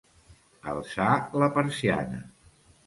Alçar la persiana.